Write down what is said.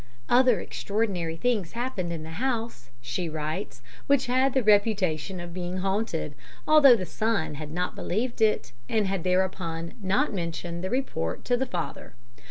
"Other extraordinary things happened in the house," she writes, "which had the reputation of being haunted, although the son had not believed it, and had thereupon not mentioned the report to the father.